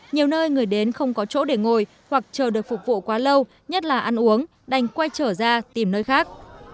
nhiều nơi người đến không có chỗ để ngồi hoặc chờ được phục vụ quá lâu nhất là ăn uống đành quay trở ra tìm nơi khác